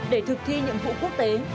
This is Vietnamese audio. để thực thi nhiệm vụ quốc tế